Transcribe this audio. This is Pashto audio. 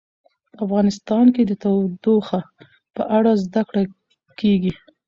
په افغانستان کې د تودوخه په اړه زده کړه کېږي.